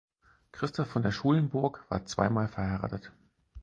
Christoph von der Schulenburg war zweimal verheiratet.